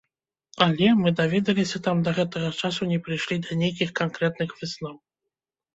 Але, мы даведаліся, там да гэтага часу не прыйшлі да нейкіх канкрэтных высноў.